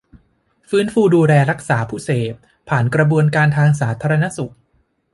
ฟื้นฟูดูแลรักษาผู้เสพผ่านกระบวนการทางสาธารณสุข